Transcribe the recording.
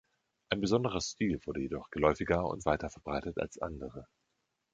Ein besonderer Stil wurde jedoch geläufiger und weiter verbreitet als andere.